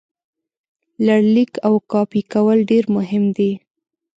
لړلیک او کاپي کول ډېر مهم دي.